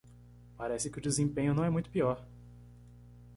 Parece que o desempenho não é muito pior.